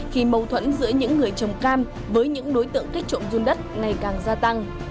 khi mâu thuẫn giữa những người trồng cam với những đối tượng kích trộm run đất ngày càng gia tăng